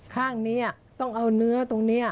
ข้างนี้ต้องเอาเนื้อตรงนี้